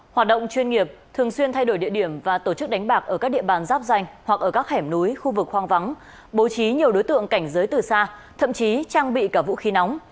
hoạt động chuyên nghiệp thường xuyên thay đổi địa điểm và tổ chức đánh bạc ở các địa bàn giáp danh hoặc ở các hẻm núi khu vực hoang vắng bố trí nhiều đối tượng cảnh giới từ xa thậm chí trang bị cả vũ khí nóng